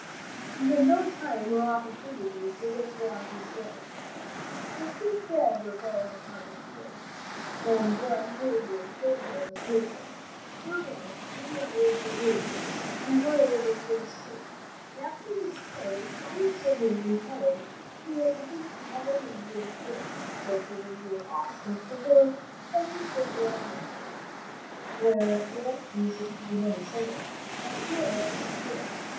He had no time or opportunity to withdraw his dead. Fifteen dead were found upon the field, and one wounded prisoner was taken. No doubt many others were wounded who were able to escape. After this fight Colonel Sibley retired to the vicinity of an Indian camp, located nearly opposite the mouth of the Chippewa river, where it empties into the Minnesota, and there encamped.